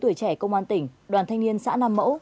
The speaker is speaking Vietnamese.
tuổi trẻ công an tỉnh đoàn thanh niên xã nam mẫu